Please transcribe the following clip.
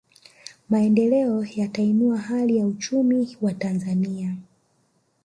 Maendeleo yatainua hali ya uchumi wa Watanzania